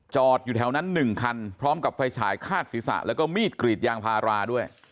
อยู่แถวนั้น๑คันพร้อมกับไฟฉายคาดศีรษะแล้วก็มีดกรีดยางพาราด้วย